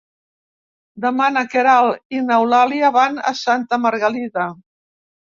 Demà na Queralt i n'Eulàlia van a Santa Margalida.